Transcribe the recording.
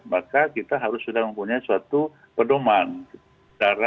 maka kita harus sudah mempunyai suatu pedoman